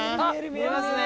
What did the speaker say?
見えますね。